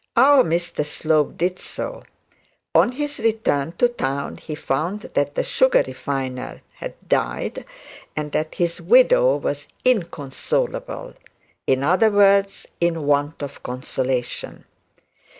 Our Mr Slope did so. On his return to town he found that the sugar refiner had died, and that the widow was inconsolable; or, in other words, in want of consolation.